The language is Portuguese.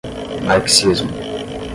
marxismo